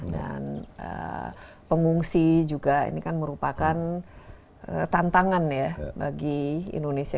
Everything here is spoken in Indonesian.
dan pengungsi juga ini kan merupakan tantangan ya bagi indonesia